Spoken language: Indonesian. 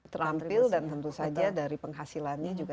terampil dan tentu saja dari penghasilannya juga